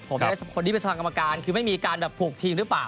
ผมคนนี้เป็นสภากรรมการคือไม่มีการแบบผูกทีมหรือเปล่า